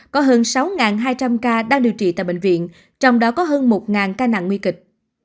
có hơn sáu hai trăm linh ca đang điều trị tại bệnh viện trong đó có hơn một ca nặng nguy kịch